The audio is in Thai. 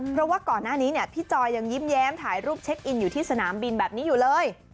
เพราะว่าก่อนหน้านี้เนี่ยพี่จอยยังยิ้มแย้มถ่ายรูปเช็คอินอยู่ที่สนามบินแบบนี้อยู่เลย